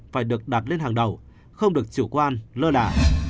phải được đặt lên hàng đầu không được chủ quan lơ lả